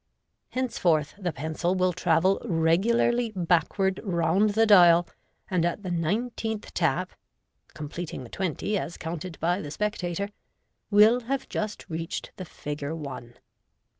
Henceforth the pencil will travel regularly backward round the dial, and at the nine teenth tap (completing the twenty, as counted by the spectator) will have just reached the figure u one."